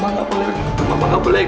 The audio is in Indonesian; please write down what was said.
mama gak boleh gitu mama gak boleh gitu